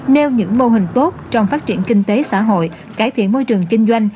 nêu những mô hình tốt trong phát triển kinh tế xã hội cải thiện môi trường kinh doanh